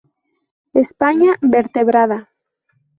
España vertebrada".